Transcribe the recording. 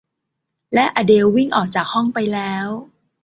และอเดลวิ่งออกจากห้องไปแล้ว